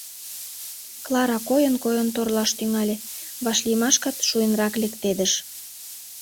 Клара койын-койын торлаш тӱҥале, вашлиймашкат шуэнрак лектедыш.